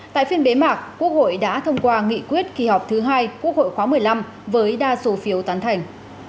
tại phiên bế mạc quốc hội đã thông qua nghị quyết kỳ họp thứ hai quốc hội khóa một mươi năm với đa số phiếu tán thành